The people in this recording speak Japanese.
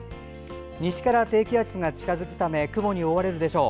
西から低気圧が近づくため雲に覆われるでしょう。